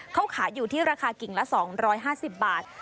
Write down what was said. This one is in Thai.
เขาขายอยู่ที่ราคากิ่งละ๒๕๐บาท